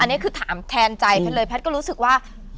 อันนี้คือถามแทนใจแพทย์เลยแพทย์ก็รู้สึกว่า